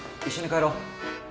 一緒に帰ろう。